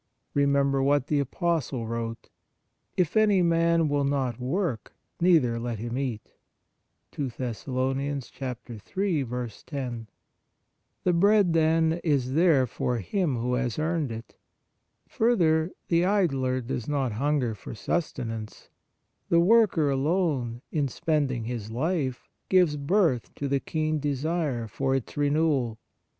Remem ber what the Apostle wrote : "If any man will not work, neither let him eat." * The Bread, then, is there for him who has earned it. Further, the idler does not hunger for sus tenance ; the worker alone, in spend ing his life, gives birth to the keen desire for its renewal.